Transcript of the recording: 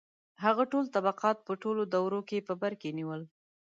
• هغه ټول طبقات په ټولو دورو کې په بر کې نیول.